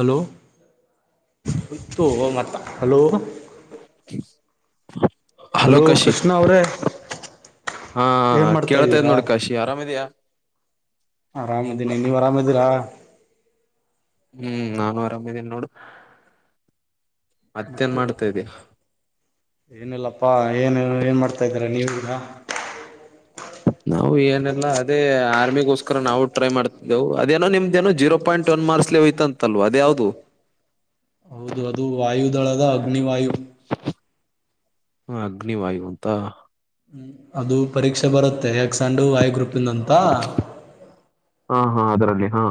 Hello hello. [inaudible] Hello Kashi Krishna ಅವ್ರೇ. ಹಾ ಏನ್ ಮಾಡ್ತಾ ಕೇಳ್ತಾ ಇದ್ ಇದ್ದೀರಾ ನೋಡಿ ಕಾಶಿ ಆರಾಮಿದಿಯಾ. ಆರಾಮದೀನಿ ನೀವ್ ಅರಾಮದೀರಾ. ಹ್ಮ್ ನಾನು ಆರಾಮಿದಿನಿ ನೋಡು. ಮತ್ತೇನ್ ಮತ್ತೆ ಮಾಡ್ತಾಯಿದಿಯ ಏನಿಲ್ಲಪ್ಪಾ ಏನು ಏನ್ ಮಾಡ್ತಾ ಇದ್ದೀರ ನೀವ ಈಗ ನಾವು ಏನಲ್ಲಾ ಅದೇ ಆರ್ಮಿಗೋಸ್ಕರ ನಾವು ಟ್ರೈ ಮಾಡ್ತಿದ್ದೆವು ಅದೇನೋ ನಿಮ್ದೇಏನೋ ಜೀರೋ ಪಾಯಿಂಟ್. ಟು ಮಾರ್ಸ್ಲಿ ಹಯ್ತಂತಲ್ವಾ ಅದ ಯಾವ್ದು ಹೌದು ಅದು ವಾಯುದೊಳಗ ಅಗ್ನಿವಾಯು ಹ ಅಗ್ನಿವಾಯು ಅಂತ ಅದು ಪರೀಕ್ಷೆ ಬರುತ್ತೆ ಎಕ್ಸ ಅಂಡು ವೈ ಗ್ರೂಪಿಂದಂತ ಹಾ ಹಾ ಅದರಲ್ಲಿ ಹಾ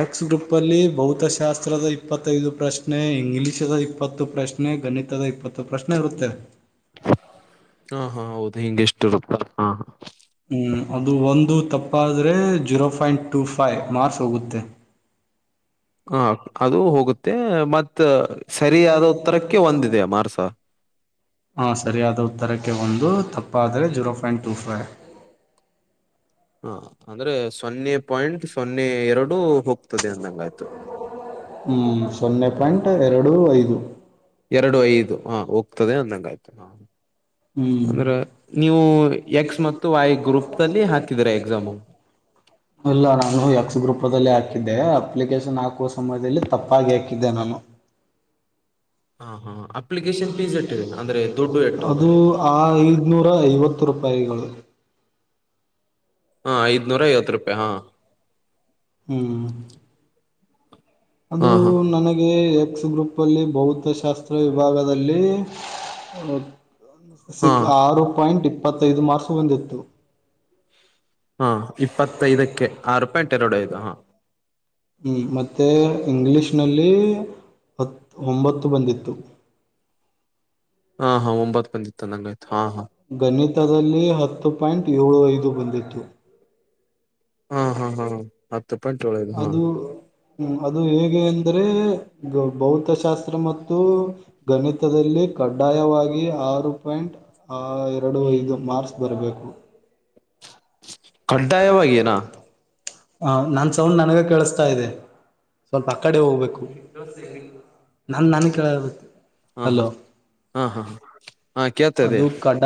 ಎಕ್ಸ್ ಗ್ರೂಪ್ ಅಲ್ಲಿ ಭೌತಶಾಸ್ತ್ರದ ಇಪ್ಪತ್ತೈದು ಪ್ರಶ್ನೆ ಇಂಗ್ಲಿಷದ ಇಪ್ಪತ್ತು ಪ್ರಶ್ನೆ [unintelligible] ಗಣಿತದ ಇಪ್ಪತ್ತು ಪ್ರಶ್ನೆ ಇರುತ್ತೆ ಹಾ ಹಾ ಹೌದು [unintelligible] ಹ ಹ್ಮ್ ಅದು ಒಂದು ತಪ್ಪಾದರೆ zero point two five marks ಹೋಗುತ್ತೆ ಹ ಅದು ಹೋಗುತ್ತೆ ಮತ್ತ್ ಸರಿಯಾದ ಉತ್ತರಕ್ಕೆ ಒಂದಿದೆ ಮಾರ್ಕ್ಸ ಹಾ ಸರಿಯಾದ ಉತ್ತರಕ್ಕೆ ಒಂದು ತಪ್ಪಾದರೆ ಜೀರೋ ಪಫಾಯಿಂಟ್ ಟು ಫೈ [inaudible] ಹಾ ಅಂದ್ರೆ ಸೊನ್ನೆ ಪಾಯಿಂಟ್ ಸೊನ್ನೆ ಎರಡು ಹೋಗ್ತದೆ ಅಂದಂಗಾಯ್ತು ಹ್ಮ್ ಸೊನ್ನೆ ಪಾಯಿಂಟ್ ಎರಡು ಐದು ಎರಡು ಐದು ಹಾ ಹೋಗ್ತದೆ ಅಂದಂಗ ಆಯ್ತು ಹ ಹ್ಮ್ ಅಂದ್ರೆ ನೀವು ಎಕ್ಸ್ ಮತ್ತು ವೈ ಗ್ರೂಪ್ ಅಲ್ಲಿ ಹಾಕಿದರಾ ಎಕ್ಸಾಮು ಅಲ್ಲ ನಾನು ಎಕ್ಸ್ ಗ್ರೂಪದಲ್ಲಿ ಹಾಕಿದ್ದೆ ಅಪ್ಲಿಕೇಶನ್ ಹಾಕುವ ಸಮಯದಲ್ಲಿ ತಪ್ಪಾಗಿ ಹಾಕಿದ್ದೆ ನಾನು ಹಾ ಹಾ ಅಪ್ಲಿಕೇಶನ್ ಫೀಸ್ ಎಟ್ಟಿದೆ ಅಂದ್ರೆ ದುಡ್ಡು [inaudible] ಎಟ್ಟುದು ಅದು ಹಾ ಐದ್ನೂರ ಐವತ್ತು ರೂಪಾಯಿಗಳು ಹಾ ಐದನೂರ ಐವತ್ತು ರೂಪಾಯಿ ಹಾ ಹ್ಮ್ ಅದು ಹಾ ಹಾ ನನಗೆ ಎಕ್ಸ್ ಗ್ರೂಪ್ ಅಲ್ಲಿ ಭೌತಶಾಸ್ತ್ರ ವಿಭಾಗದಲ್ಲಿ [unintelligible] ಹಾ ಸಿಕ್ ಆರು ಪಾಯಿಂಟ್ ಇಪ್ಪತ್ತೈದು ಮಾರ್ಸ್ ಬಂದಿತ್ತು ಹಾ ಇಪ್ಪತ್ತೈದಕ್ಕೆ ಆರು ಪಾಯಿಂಟ್ ಎರಡು ಐದು ಹಾ ಹ್ಮ್ ಮತ್ತೆ ಇಂಗ್ಲೀಷ್ ನಲ್ಲಿ ಹತ್ತ್ ಒಂಬತ್ತು ಬಂದಿತ್ತು ಹಾ ಹಾ ಒಂಬತ್ ಬಂದಿತ್ತು ನಂಗ [unintelligible] ಗಣಿತದಲ್ಲಿ ಹತ್ತು ಪಾಯಿಂಟ್ ಏಳು ಐದು ಬಂದಿತ್ತು ಹಾ ಹಾ ಹಾ ಹತ್ತು ಪಾಯಂಟ್ ಏಳು ಐದು ಹಾ ಅದು ಹ್ಮ್ ಅದು ಹೇಗೆ ಅಂದ್ರೆ ಭೌತಶಾಸ್ತ್ರ ಮತ್ತು ಗಣಿತದಲ್ಲಿ ಕಡ್ಡಾಯವಾಗಿ ಆರು ಪಾಯಿಂಟ್ ಎರಡು ಐದು ಮಾರ್ಕ್ಸ್ ಬರಬೇಕು ಕಡ್ಡಾಯವಾಗೀನಾ ಹಾ ನನ್ನ ಸೌಂಡ್ ನನಗೆ ಕೇಳಿಸ್ತಾ ಇದೆ ಸ್ವಲ್ಪ ಅ ಕಡೆ ಹೋಗ್ಬೇಕು ನನ್ದ ನನ್ ಕೇಳಬೇ [unintelligible] ಹಾ ಹಾ ಹಾ ಹಾ ಹಾ [unintelligible] ಅದು ಕಡ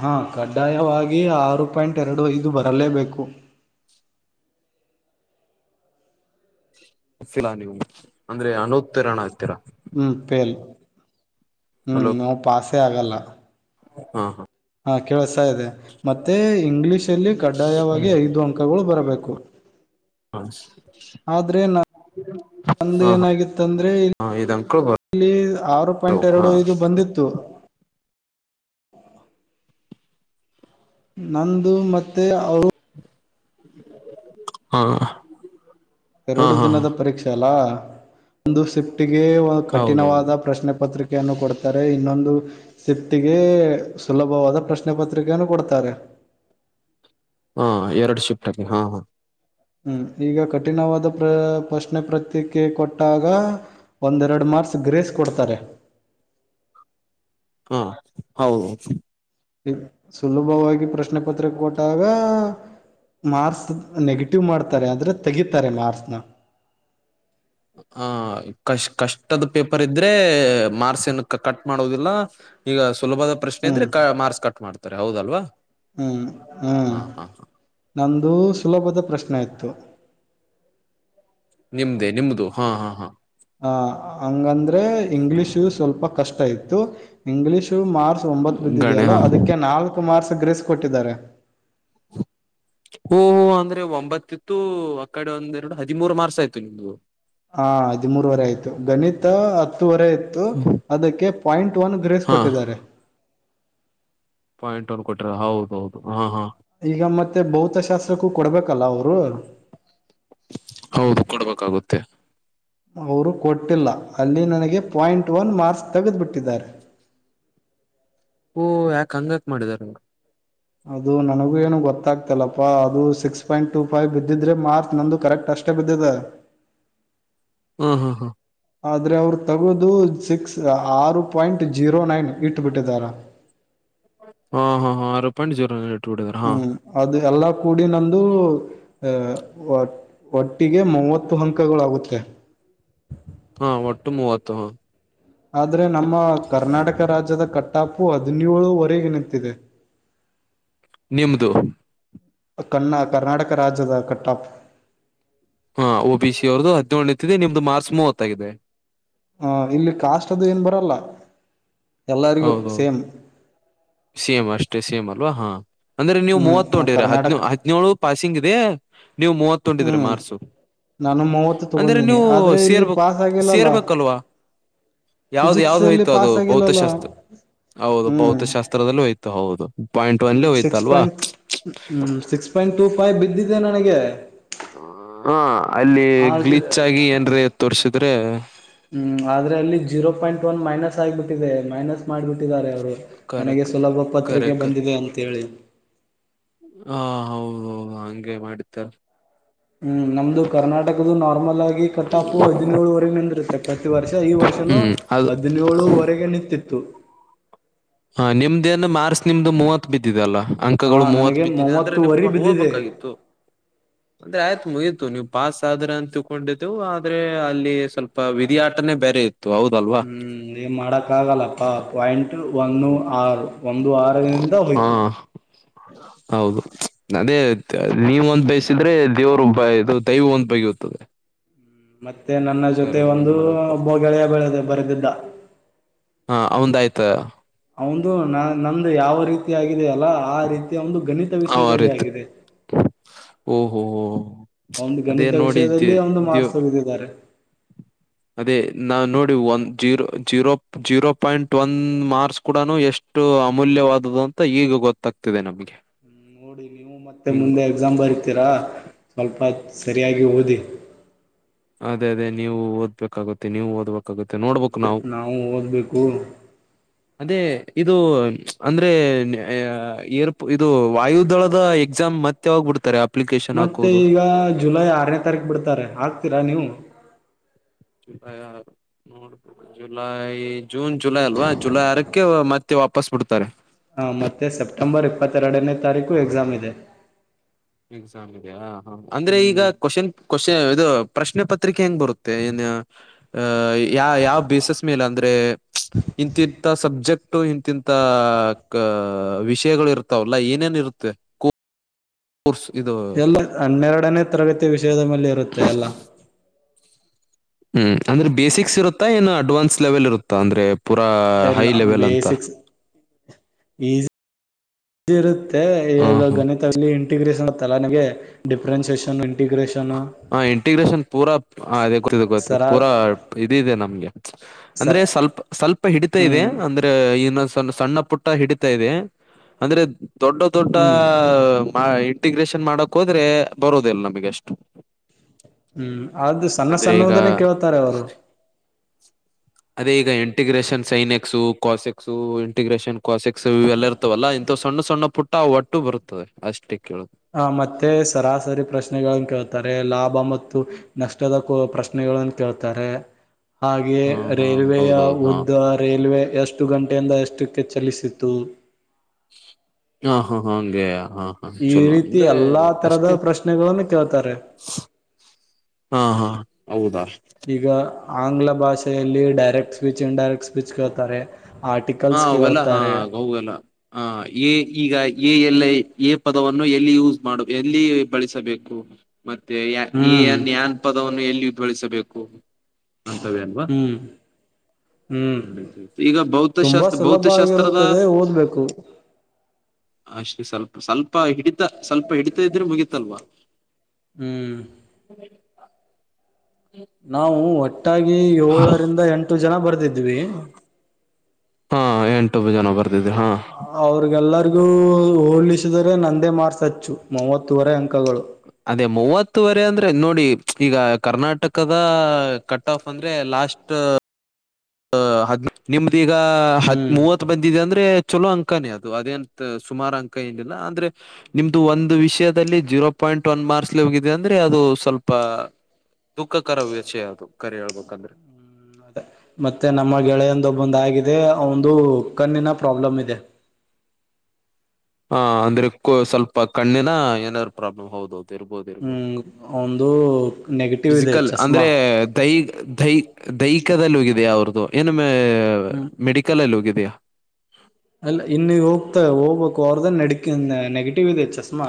ಹಾ ಕಡ ಕಡ್ಡಾಯವಾಗಿ ಆರು ಪಾಯಿಂಟ್ ಎರಡು ಐದು ಬರಲೇಬೇಕು [unintelligible] ನೀವು ಅಂದ್ರೆ ಅನುತ್ತಿರಣ [unintelligible] ಹೂ ಫೇಲ್ ಹೊ ಹಲೋ ನಾವು ಪಾಸೇ ಆಗಲ್ಲ ಹಾ ಹಾ ಕೇಳಿಸ್ತಾ ಇದೆ ಮತ್ತೆ ಇಂಗ್ಲಿಷಲ್ಲಿ ಕಡ್ಡಾಯವಾಗಿ ಐದು ಅಂಕಗಳು ಬರಬೇಕು ಆದ್ರೆ [unintelligible] [unintelligible] [unintelligible] ಹಾ ಏನಾಗಿತ್ತಂದ್ರೆ ಹಾ ಇದ್ ಅಂಕಲ್ ಇಲ್ಲಿ ಆರು ಬರು ಪಾಯಿಂಟ್ ಎರಡು ಹಾ ಐದು ಬಂದಿತ್ತು ನಂದು ಮತ್ತೆ [unintelligible] ಹಾ ಹಾ ಎರಡು ಹಾ ದಿನದ ಪರೀಕ್ಷೆ ಅಲ್ಲಾ ಒಂದು ಶಿಫ್ಟಗೆ ಹೌದು ಕಠಿಣವಾದ ಪ್ರಶ್ನೆ ಪತ್ರಿಕ್ ಅನ್ನು ಕೊಡ್ತಾರೆ ಇನ್ನೊಂದು ಸ್ವಿಪ್ಟಿಗೆ ಸುಲಭವಾದ ಪ್ರಶ್ನೆ ಪತ್ರಿಕೆಯನ್ನು ಕೊಡ್ತಾರೆ. [unintelligible] ಹಾ ಎರಡು ಶಿಫ್ಟ್ ಹಾ ಹಾ ಹ್ಮ್ ಈಗ ಕಠಿಣವಾದ ಪ್ರ ಪ್ರಶ್ನೆ ಪ್ರತ್ರಿಕೆ ಕೊಟ್ಟಾಗ ಒಂದೆರಡು ಮಾರ್ಕ್ಸ್ ಗ್ರೇಸ್ ಕೊಡ್ತಾರೆ. ಹಾ ಹೌದು ಸುಲಭವಾಗಿ ಪ್ರಶ್ನೆ ಪತ್ರಿಕ್ ಕೊಟ್ಟಾಗ ಮಾರ್ಕ್ಸ್ ನೆಗೆಟಿವ್ ಮಾಡ್ತಾರೆ ಆದರೆ ತೆಗಿತ್ತಾರೆ ಮಾರ್ಕ್ಸ್ ನಾ ಹ ಕಶ್ ಕಷ್ಟದ್ ಪೇಪರ್ ಇದ್ರೆ ಮಾರ್ಕ್ಸ ಏನು ಕಟ್ ಮಾಡೋದಿಲ್ಲ. ಈಗ ಸುಲಭದ ಪ್ರಶ್ನೆ ಹ್ಮ್ ಇದ್ರೆ ಕ ಮಾರ್ಕ್ಸ್ ಕಟ್ ಮಾಡ್ತಾರೆ ಹೌದಲ್ವಾ ಹ್ಮ್ ಹ್ಮ್ ಹಾ ಹಾ ಹಾ ನಮ್ಮದು ಸುಲಭದ ಪ್ರಶ್ನೆ ಇತ್ತು. ನಿಮ್ದೆ ನಿಮ್ದು ಹಾ ಹಾ ಹಾ ಹ ಹಂಗಂದ್ರೆ ಇಂಗ್ಲೀಷು ಸ್ವಲ್ಪ ಕಷ್ಟ ಇತ್ತು ಇಂಗ್ಲೀಷ್ ಮಾರ್ಕ್ಸ್ ಒಂಬತ್ತು ಗಣೆ ಬಿದ್ದಿದೆಯಲ್ಲ ಹಾ ಅದಕ್ಕೆ ನಾಲ್ಕು ಮಾರ್ಕ್ಸ ಗ್ರೇಸ್ ಕೊಟ್ಟಿದ್ದಾರೆ. ಓ ಹ ಅಂದ್ರೆ ಒಂಬತ್ತು ಇತ್ತು ಆ ಕಡೆ ಒಂದ್ ಎರಡು ಹದಿಮೂರು ಮಾರ್ಕ್ಸ ಆಯ್ತು ನಿಮ್ದು ಹಾ ಹದಿಮೂರವರೆ ಆಯ್ತು ಗಣಿತ ಹತ್ತುವರೆ ಇಯಿತ್ತು ಅದಕ್ಕೆ ಪಾಯಿಂಟ್ ಒನ್ ಗ್ರೇಸ್ ಹಾ ಕೊಟ್ಟಿದ್ದಾರೆ ಪಾಯಿಂಟ್ ಒನ್ ಗ್ರೇಸ್ ಕೊಟ್ಟ್ರ ಹೌದ್ ಹೌದು ಹಾ ಹಾ ಈಗ ಮತ್ತೆ ಭೌತಶಾಸ್ತ್ರಕ್ಕೂ ಕೊಡ್ಬೇಕಲ್ಲ ಅವರೂ ಹೌದು ಕೊಡ್ಬೇಕಾಗುತ್ತೆ. ಅವರು ಕೊಟ್ಟಿಲ್ಲ ಅಲ್ಲಿ ನನಗೆ ಪಾಯಿಂಟ್ ಒನ್ ಮಾರ್ಕ್ಸ್ ತೆಗೆದುಬಿಟ್ಟಿದ್ದಾರೆ. [unintelligible] ಓ ಯಾಕ್ ಹಂಗಕ್ ಮಾಡಿದ್ದಾರೆ. ಅದು ನನಗೆ ಏನು ಗೊತ್ತಾಗ್ತಾಯಿಲ್ಲಪ್ಪಅದು ಸಿಕ್ಸ್ ಪಾಯಿಂಟ್ ಟು ಯ ಬಿದ್ದಿದ್ರೆ ಮಾರ್ಕ್ಸ್ ನಂದು ಕರೆಕ್ಟ್ ಅಷ್ಟೇ ಬಿದ್ದಿದೆ. ಹ್ಮ ಹ್ಮ್ ಹ್ಮ ಆದ್ರೆ ಅವರು ತಗೋದು ಸಿಕ್ಸ್ ಆರು ಪಾಯಿಂಟ್ ಜೀರೋ ನೈನ್ ಇಟ್ಬಿಟ್ಟಿದಾರೆ‌. [unintelligible] ಹ ಹ ಆರು ಪಾಯಿಂಟ್ ಜೀರೋ ಏಟು ಹ್ಮ್ ಅದು ಎಲ್ಲಾ ಕೂಡಿ ನಂದು ಅ ಒ ಒಟ್ಟಿಗೆ ಮೂವತ್ತು ಅಂಕಗಳಾಗುತ್ತೆ. ಹಾ ಒಟ್ಟು ಮೂವತ್ತು ಅಂದ್ರೆ ನಮ್ಮ ಕರ್ನಾಟಕ ರಾಜ್ಯದ ಕಟ್ಟ್ ಟಾಪು ಹದಿನೇಳು ವಾರೆಗೆ ನಿಂತಿದೆ. ನಿಮ್ದು ಕನ್ನ ಕರ್ನಾಟಕ ರಾಜ್ಯದ ಕಟ್ಟಾಪ್ ಹಾ ಒ ಬಿ ಸಿ ಅವ್ರದ್ದು ಹದಿನೇಳು ನಿಂತ್ತಿದೆ ನಿಮ್ದು ಮಾರ್ಕ್ಸ ಮೂವತ್ತಾಗಿದೆ. ಹ ಇಲ್ಲಿ ಕಾಸ್ಟ್ ಅದು ಏನ್ ಬರಲ್ಲ ಎಲ್ಲಾರಿಗು ಹೌದೌದು ಸೇಮ್ ಕ್ಕೆ ಸೇಮ್ ಅಲ್ವಾ ಹಾ ಅಂದ್ರೆ ನೀವು ಹ್ಮ್ ಮೂವತ್ತು ನೋಡಿರಾ ಕರ್ನಾಟಕ ಹದಿನೇಳು ಪಾಸಿಂಗ್ ಇದೆ. ನೀವು ಮೂವತ್ತು ಒಂದಿದ್ರ ಹ್ಮ್ ಮಾರ್ಕ್ಸು ನಾನು ಮೂವತ್ತು ಅಂದ್ರೆ ತಗೊಂದೀನಿ ನೀವು ಆದ್ರೆ ಇಲ್ಲಿ ಸೇರ್ಬೇಕು ಪಾಸ್ ಆಗಿಲ್ಲ ಅಲ್ಲ. ಸೇರ್ಬೇಕಲ್ವಾ ಯಾವ್ದ್ ಫಿಸಿಕ್ಸ್ ಯಾವ್ದ್ ಅಲ್ಲಿ ಹೋಯ್ತು ಅದು ಪಾಸ್ ಆಗಿಲ್ಲ ಅಲ್ಲ ಭೌತಶಾಸ್ತ್ರ ಹೌದು ಭೌತಶಾಸ್ತ್ರದಲ್ಲಿ ಹೋಯ್ತು ಹೌದು ಪಾಯಿಂಟ್ ಅಲ್ಲಿ ಸಿಕ್ಸ್ ಹೋಯ್ತುಲ್ವಾ ಪಾಯಿಂಟ್ ಹ್ಮ್ ಸಿಕ್ಸ್ ಪಾಯಿಂಟ್ ಟೂ ಫೈವ್ ಬಿದ್ದಿದೆೆ ನನಗೆ ಹ ಅಲ್ಲಿ ಆದ್ರ ಗ್ಲಿಚ್ ಆಗಿ ಏನ್ರೆ ತೋರ್ಸಿದ್ರೆ ಹ್ಮ್ ಆದ್ರ ಅಲ್ಲಿ ಜೀರೋ ಪಾಯಿಂಟ್ ಒನ್ ಮೈನಸ್ ಆಗ್ಬಿಟ್ಟಿದೆ ಮೈನಸ್ ಮಾಡ್ಬಿಟ್ಟಿದ್ದಾರೆ ಅವರು ನನಗೆ ಕರೆಕ್ ಸುಲಭ ಪತ್ರಿಕೆ ಕರೆಕ್ರ್ ಬಂದಿದೆ ಅಂತ ಹೇಳಿ. ಹ ಹೌ ಹೌ ಹಂಗೆ ಮಾಡಿದ್ದಾ ಹ್ಮ್ ನಮ್ದು ಕರ್ನಾಟಕದ ನಾರ್ಮಲ್ ಆಗಿ ಕಟಾಪು ಹದಿನೇಳುವರೆಗಂದಿರುತ್ತೆ ಪ್ರತಿ ವರ್ಷ ಈ ವಷ್ ಹ್ಮ್ ಅದು ಹದಿನೇಳುವರೆಗೆ ನಿಂತಿತ್ತು ಹ ನಿಮ್ದೇಏನ್ ಮಾರ್ಚ್ ನಿಮ್ದು ಮೂವತ್ ಬಿದ್ದಿದೆಲ್ಲಾ ಹಾ ಅಂಕಗಳು ಮೂವತ್ತು ನನಗೆ ಬಿದ್ದಿದೆ ಅಂದ್ರೆ ನಿಮಗ್ ಮೂವತ್ತುವರಿ ಬಿದ್ದಿದೆ ಹೋಗ್ಬೇಕಾಗಿತ್ತು ಅಂದ್ರೆ ಆಯ್ತು ಮುಗಿ ಇ ನೀವು ಪಾಸ್ ಆದ್ರೆ ಅಂತಕೊಂಡಿದ್ದು ಆದ್ರೆ ಅಲ್ಲಿ ಸ್ವಲ್ಪ ವಿಧಿಯಾಟನೇ ಬೇರೆ ಇತ್ತು. ಹೌದಲ್ವಾ ಹ್ಮ್ ನೀ ಮಾಡಕ್ ಆಗಲ್ಲಪ್ಪಾ ಪಾಯಿಂಟ್ ಎ ಒಂದು ಆರು ಒಂದು ಆರಿಂದ ಹಾ ಹೋಯ್ತು ಹೌದು ಅದೇ ನೀವ ಒಂದ್ ಬಯಸಿದ್ರೆ ದೇವರು ಬ ಇದು ದೈವ ಒಂದ್ ಬೈ [unintelligible] ಮತ್ತೆ ನನ್ನ ಜೊತೆ ಒಂದು ಬ ಒಬ್ಬ ಗೆಳೆಯ ಬೆಳೆದ ಬರೆದಿದ್ದ ಹ ಅವಂದ್ ಆಯ್ತ ಅವದು ನ ನಂದುದ ಯಾವ ರೀತಿ ಆಗಿದ ಅಲ್ಲ ಆ ರೀತಿ ಒಂದು ಗಣಿತ ಅವ ವಿಷಯದಲ್ಲಿ ಆಗಿದೆ ಹ್ಮ ಅವಂದು ಗಣಿತ ವಿಷಯದಲ್ಲಿ ಒಂದು ಮಾರ್ಕ್ಸ್ ತಗಿದಿದ್ದಾರೆ ಅದೇ ನಾ ನೋಡಿ ಒ zero zero zero point one marks ಕೂಡ ಎಷ್ಟು ಅಷ್ಟು ಅಮೂಲ್ಯವಾದದ್ದು ಅಂತ ಈಗ ಗೊತ್ತಾಗ್ತಿದೆ ನಮ್ಗೆ [unintelligible] ಮತ್ತೆ ಹಿಂಗ್ ಮುಂದೆ ಎಕ್ಸಾಮ್ ಬರಿತೀರಾ ಸ್ವಲ್ಪ ಸರಿಯಾಗಿ ಓದಿ ಅದೇ ಅದೇ ನೀವು ಓದ್ಬೇಕಾಗುತ್ತೆ ನೀವು ಓದ್ಬೇಕಾಗುತ್ತೆ ನೋಡ್ಬೇಕು ನಾವು ಅದೇ ಇದು ಅಂದ್ರೆ ಏರ್ ಇದು ವಾಯುದಳದ ಎಕ್ಸಾಮ್ ಮತ್ತೆ ಹೋಗ್ಬಿಡ್ತ ಮತ್ತೆ ಈಗ ಜುಲೈ ಆರನೇ ತಾರೀಕು ಬಿಡ್ತಾರೆ ಹಾಕಗ್ತೀರಾ ನೀವು ಜುಲೈ ನೋಡ್ ಜುಲೈ ಜೂನ್ ಜುಲೈ ಅಲ್ವಾ ಜುಲೈ ಅರಕ್ಕೆ ಮತ್ತೆ ವಾಪಸ್ ಬಿಡ್ತಾರೆ ಹಾ ಮತ್ತೆ ಸೆಪ್ಟೆಂಬರ್ ಇಪ್ಪತ್ತೆರಡನೇ ತಾರೀಕು ಎಕ್ಸಾಮ್ ಇದೆ ಎಕ್ಸಾಮ್ ಇದೆ ಹ ಅಂದ್ರೆ ಈಗ ಹ್ಮ್ ಕೋಶನ್ ಕೋಶ ಇದು ಪ್ರಶ್ನೆ ಪತ್ರಿಕೆ ಹೆಂಗ್ ಬರುತ್ತೆ ಏನ್ ಅ ಯ ಯಾವ ಬೇಸಸ್ ಮೇಲೆ ಅಂದ್ರೆ ಇಂತಿಂತ ಸಬ್ಜೆಕ್ಟ್ ಇಂತಿಂತಾ ವಿಷಯಗಳು ಇರ್ತಾವಲ್ಲಾ ಏನೇನ್ ಇರುತ್ತೆ ಕೋರ್ಸ್ ಇದು ಎಲ್ಲ ಹನ್ನೆರಡನೇ ತರಗತಿ ವಿಷಯದ ಮೇಲೆ ಇರುತ್ತೆ ಎಲ್ಲಾ ಹ್ಮ್ ಅಂದ್ರೆ ಬೇಸಿಕ್ಸ್ ಇರುತ್ತಾ ಏನ ಅಡ್ವಾನ್ಸ್ ಲೆವೆಲ್ ಇರುತ್ತಾ ಅಂದ್ರೆ ಪೂರಾ ಹೈ ಎಲ್ಲ ಲೆವೆಲ್ ಅಂತ ಬೇಸಿಕ್ಸ್ ಇ ಇರುತ್ತೆ ಹ ಈಗ ಹ ಗಣಿತಲ್ಲಿ ಇಂಟಿಗ್ರೇಷನ್ ಆತ್ತಲ್ಲ ನನಗೆ ಡಿಫ್ರೆನ್ಸಿಯೇಷನ್ ಇಂಟಿಗ್ರೇಷನ್ ಹ ಇಂಟಿಗ್ರೇಷನ್ ಪೂರಾ ಗೊತ್ತ ಗೊತ್ತ ಸರ ಪೂರಾ ಇದ ಇದೆ ನಮ್ಗೆ ಅಂದ್ರೆ ಸರ್ ಸ್ವಲ್ಪ ಸ್ವಲ್ಪ ಹಿಡಿತ ಇದೆ ಹ್ಮ್ ಅಂದ್ರೆನ್ ಸಣ ಸಣ್ಣ ಪುಟ್ಟ ಹಿಡಿತಾ ಇದೆ ಅಂದ್ರೆ ದೊಡ್ಡ ದೊಡ್ಡ ಹ್ಮ್ ಇಂಟಿಗ್ರೇಷನ್ ಮಾಡಕ್ ಹೋದ್ರೆ ಬರೋದಿಲ್ಲ ನಮಗೆ ಅಷ್ಟೇ ಹ್ಮ್ ಆದ ಸಣ್ಣ ಸಣ್ಣದನೇ ಕೇಳ್ತಾರೆ ಅವರು ಅದೇ ಈಗ integration sine x cos x integration cos x ಇವೆಲ್ಲ ಇರ್ತವಲ್ಲ ಇಂತಥ ಸ್ಣ್ ಸಣ್ಣ ಸಣ್ಣ ಪುಟ್ಟ ಒಟ್ಟು ಬರುತ್ತದೆ ಅಷ್ಟಕ್ಕೆ. ಹ ಮತ್ತೆ. ಸರಾಸರಿ ಪ್ರಶ್ನೆಗಳನ್ನು ಕೇಳ್ತಾರೆ ಲಾಭ ಮತ್ತು ನಷ್ಟದ ಪ್ರಶ್ನೆಗಳನ್ನು ಕೇಳ್ತಾರೆ. ಹಾಗೆ ಹಾ ಹಾ ರೇಲ್ವೆಯ ಹೌದೌದು ಹಾ ಒಂದು ರೇಲ್ವೆ. ಎಷ್ಟು ಗಂಟೆಯಿಂದ ಎಷ್ಟಕ್ಕೆ ಚಲಿಸಿತು. ಹಾ ಹಾ ಹಾ ಹಂಗೇ. ಈ ರೀತಿ ಎಲ್ಲಾ ತರದ ಪ್ರಶ್ನೆಗಳನ್ ಕೇಳ್ತಾರೆ. ಹಾ ಹಾ ಹೌದಾ. ಈಗ ಆಂಗ್ಲ ಭಾಷೆಯಲ್ಲಿ ಡೈರೆಕ್ಟ್ ಸ್ಪೀಚ್ ಇನ್ಡೈರೆಕ್ಟ್ ಸ್ಪೀಚ್ ಕೇತಾರೆ. ಹಾ ಅವೆಲ್ಲ ಹಾಲ್ಲ ಹ ಈಗ ಎಲ್ಲ ಪದ. ಎಲ್ಲಿ ಯೂಸ್ ಮಾಡ ಎಲ್ಲಿ ಬಳಸಬೇಕು. ಮತ್ತೆ ಯ ಹ್ಮ್ ಈನ್ನ್ ಪದವನ್ನು ಎಲ್ಲಿಯ ಬಳಸಬೇಕು. ಅಂತವ ಅಲ್ವಾ ಹ್ಮ್ ಹ್ಮ್ ನೋಡ ಈಗ ಬೌ ತುಂಬಾ ಸುಲಭ ಆಗಿರುತ್ತದೆ ಓದ್ಬೇಕು ಅಷ್ಟೇ ಸ್ವಲ್ಪ ಸ್ವಲ್ಪ ಸ್ಪ ಹಿಡಿತ ಸ್ವಲ್ಪ ಹಿಡಿತ ಇದ್ರೆ ಮುಗಿತಲ್ವಾ ಹ್ಮ್ ನಾವು ಒಟ್ಟಾಗಿ ಹಾ ಏಳರಿಂದ ಎಂಟು ಜನ ಬರ್ದಿದ್ವಿ ಹಾ ಎಂಟುಬ್ ಜನ ಬರು ಅವ್ರಿಗೆಲ್ಲರಿಗ ಹೋಿಸಿದ್ರೆ ನಂದೇ ಮಾರ್ಸಚ್ಚು ಮೂವತ್ತವರೆ ಅ ಅದೇ ಮೂವತ್ತು ಹತ್ತುವರೆ ಅಂದ್ರೆ ನೋಡಿ ಈಗ ಕರ್ನಾಟಕದ ಕಟ್ ಆಫ್ ಅಂದ್ರೆ ಲಾಸ್ಟ್ ಅ ಹದ್ ನಿಮ್ದ ಈಗ ಹತ್ ಹ್ಮ್ ಮೂವತ್ ಬಂದಿದೆ ಅಂದ್ರೆ ಚಲೋ ಅಂಕಾನೇ ಅದು ಅದೇಂತ ಸುಮಾರು ಅಂಕ ಏನಿಲ್ಲ ಅಂದ್ರೆ ನಿಮ್ದು ಒಂದು ವಿಷಯದಲ್ಲಿ ಜೀರೋ ಪಾಯಿಂಟ್ ಪಿಂಟ್ ಒ ಮಾರ್ಕ್ಸ್ೋಗಿದೆ ಅಂದ್ರೆ ಅದು ಸ್ವಲ್ಪ ದುಃಖಕರ ವಿಷಯ ಅದು ಕರಿ ಹೇಳ್ಬೇಕಂದ್ರೆ ಅದೇ ಮತ್ತೆ ನಮ್ಮ ಗೆಳೆಯಂದಬ್ಬಂದ ಆಗಿದೆ ಒಂದು ಕಣ್ಣಿನ ಪ್ರಾಬ್ಲಮ್ ಇದೆ ಹಾ ಅಂದ್ರೆ ಸ್ವಲ್ಪ ಕಣ್ಣಿನ ಏನಾದಾರ ಪ್ರಾಬ್ಲಮ್ ಹೌದೌದು ಇರ್ಬೋದು ಇರ್ಬೋದು ಹ್ಮ್ ಒಂದು ನೆಗೆಟಿವ್ ಇದೆ ಫಿಸಿಕಲ್ ಚಸ್ಮಾ ಅಂದ್ರೆ ದೈ ದೈ ದೈಹಿಕದದಲ್ಲಿ ಹೋಗಿದ್ಯಾ ಅವ್ರದ್ದು ಏನಮ್ಮ ಹ್ಮ್ ಮೆಡಿಕಲ್ ಅಲ್ಲಿ ಹೋಗಿದೆಯಾ ಮತ್ತ ಓಬಕ್ ಅವದ ನಡಕ್ಕ ನೆಗಟಿವ್ ಇದೆ ಚಷ್ಮಾ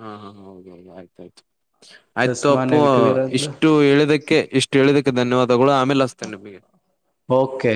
ಹಾ ಹಾ ಹೆ ಹೆ ಆಯ್ತಾಯಯ್ತು ಆಯ್ತು ಚಸ್ಮಾ ಅಪ್ಪು ನೆಗೆಟಿವ್ ಇರತ್ತ ಇಷ್ಟು ಹೇಳಿದಕ್ಕೆ ಇಷ್ಟು ಹೇಳಿದಕ್ಕೆ ಧನ್ಯವಾದ ಗಳು ಆಮೇಲೆ ಅ್ತೆ ನಿಮಗೆ ಓಕೆ